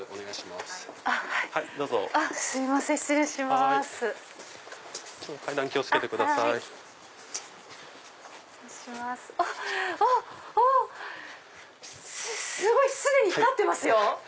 すごい！既に光ってますよ。